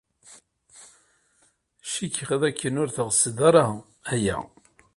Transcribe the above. Cikkeɣ dakken ur teɣsed ara aya.